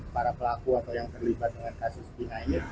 para pelaku atau yang terlibat dengan kasus